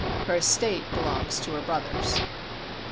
Her estate belongs to her brothers.